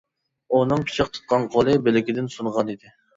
ئۇنىڭ پىچاق تۇتقان قولى، بىلىكىدىن سۇنغانىدى.